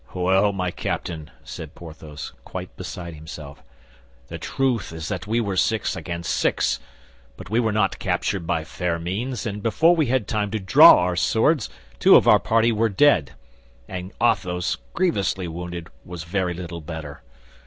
"Well, my Captain," said Porthos, quite beside himself, "the truth is that we were six against six. But we were not captured by fair means; and before we had time to draw our swords, two of our party were dead, and Athos, grievously wounded, was very little better.